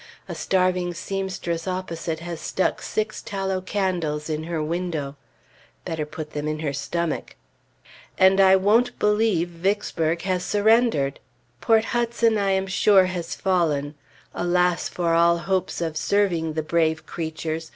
A starving seamstress opposite has stuck six tallow candles in her window; better put them in her stomach! And I won't believe Vicksburg has surrendered! Port Hudson I am sure has fallen. Alas, for all hopes of serving the brave creatures!